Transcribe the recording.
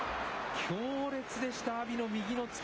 強烈でした、阿炎の右の突き。